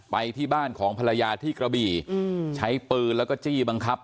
ไปที่บ้านของภรรยาที่กระบี่ใช้ปืนแล้วก็จี้บังคับ